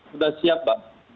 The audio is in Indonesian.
sudah siap pak